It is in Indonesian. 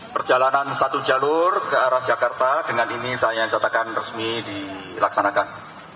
perjalanan satu jalur ke arah jakarta dengan ini saya catakan resmi dilaksanakan